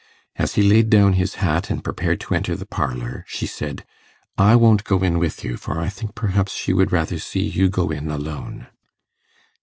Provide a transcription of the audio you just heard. As he laid down his hat and prepared to enter the parlour, she said, 'I won't go in with you, for I think perhaps she would rather see you go in alone.